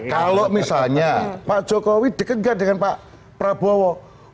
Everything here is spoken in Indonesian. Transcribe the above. kalau misalnya pak jokowi dekat gak dengan pak prabowo